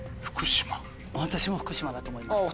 私も福島だと思いました。